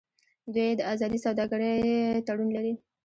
دوی د ازادې سوداګرۍ تړون لري.